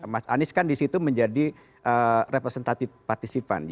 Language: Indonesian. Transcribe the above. mas anies kan disitu menjadi representatif partisipan